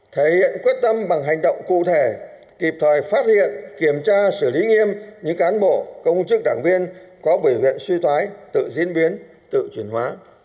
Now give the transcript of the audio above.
thể hiện quyết tâm bằng hành động cụ thể kịp thời phát hiện kiểm tra xử lý nghiêm những cán bộ công chức đảng viên có biểu hiện suy thoái tự diễn biến tự chuyển hóa